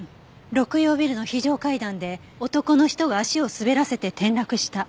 「六葉ビルの非常階段で男の人が足を滑らせて転落した」。